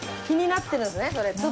気になってるんですねそれ。